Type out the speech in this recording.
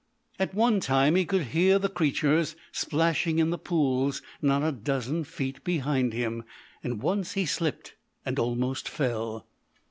At one time he could hear the creatures splashing in the pools not a dozen feet behind him, and once he slipped and almost fell.